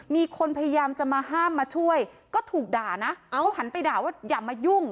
มีคนพยายามจะมาห้ามมาช่วยก็ถูกด่านะเอาหันไปด่าว่าอย่ามายุ่ง